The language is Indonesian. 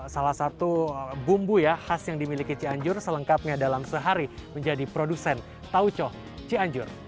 salah satu bumbu ya khas yang dimiliki cianjur selengkapnya dalam sehari menjadi produsen tauco cianjur